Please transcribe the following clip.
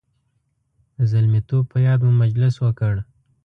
د زلمیتوب په یاد مو مجلس وکړ.